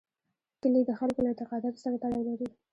کلي د خلکو له اعتقاداتو سره تړاو لري.